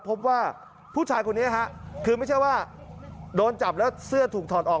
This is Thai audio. พบว่าผู้ชายคนนี้ฮะคือไม่ใช่ว่าโดนจับแล้วเสื้อถูกถอดออก